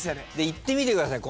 行ってみてください